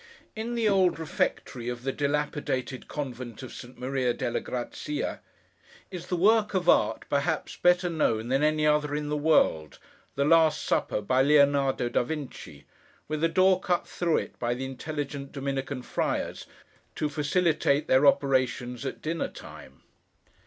In the old refectory of the dilapidated Convent of Santa Maria delle Grazie, is the work of art, perhaps, better known than any other in the world: the Last Supper, by Leonardo da Vinci—with a door cut through it by the intelligent Dominican friars, to facilitate their operations at dinner time.